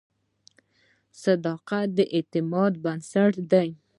• صداقت د اعتماد بنسټ دی.